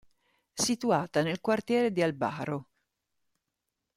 Situata nel quartiere di Albaro.